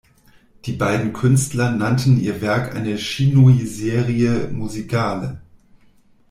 Die beiden Künstler nannten ihr Werk eine "chinoiserie musicale".